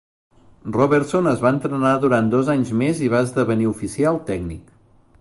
Robertson es va entrenar durant dos anys més i va esdevenir oficial tècnic.